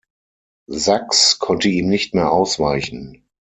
Sachs konnte ihm nicht mehr ausweichen.